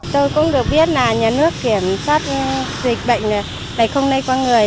tôi cũng được biết là nhà nước kiểm soát dịch bệnh này không lây qua người